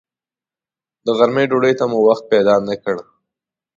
د غرمې ډوډۍ ته مو وخت پیدا نه کړ.